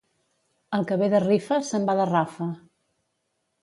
El que ve de rifa se'n va de rafa.